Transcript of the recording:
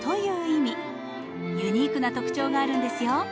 ユニークな特徴があるんですよ。